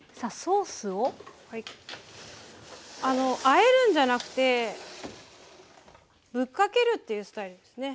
あえるんじゃなくてぶっかけるっていうスタイルですね。